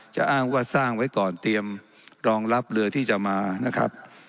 อ้างว่าสร้างไว้ก่อนเตรียมรองรับเรือที่จะมานะครับ